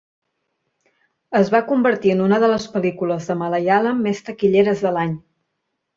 Es va convertir en una de les pel·lícules de Malaialam més taquilleres de l'any.